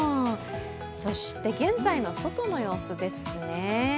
現在の外の様子ですね。